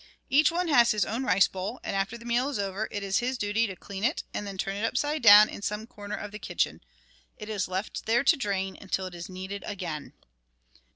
Each one has his own rice bowl, and after the meal is over it is his duty to clean it and then turn it upside down in some corner of the kitchen. It is left there to drain until it is needed again.